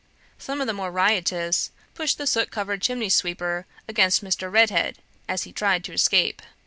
Some of the more riotous, pushed the soot covered chimney sweeper against Mr. Redhead, as he tried to escape.